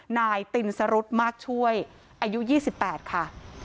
นายตินสรุษมากช่วยอายุยี่สิบแปดค่ะ